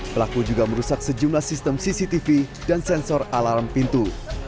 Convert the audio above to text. pelaku juga merusak sejumlah sistem cctv dan sensor alarm pintu